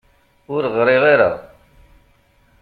Ur ɣriɣ ara